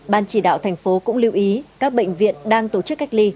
ban chỉ đạo thành phố cũng lưu ý các bệnh viện đang tổ chức cách ly